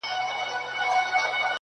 په لوی لاس به ورانوي د ژوندون خونه-